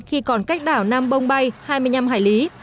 khi còn cách đảo nam bông bay hai mươi năm hải lý